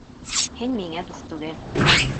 — Һин миңә дуҫ түгел!